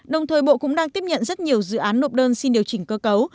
đồng thời bộ cũng đang tiếp nhận rất nhiều dự án nộp đơn xin điều chỉnh cơ cấu